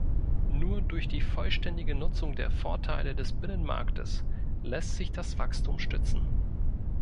Nur durch die vollständige Nutzung der Vorteile des Binnenmarktes lässt sich das Wachstum stützen.